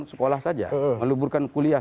sekolah saja meliburkan kuliah